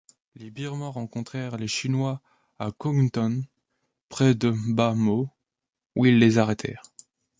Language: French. Les birmans rencontrèrent les chinois à Kaungton, près de Bhamo, où ils les arrêtèrent.